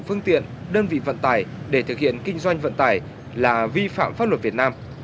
phương tiện đơn vị vận tải để thực hiện kinh doanh vận tải là vi phạm pháp luật việt nam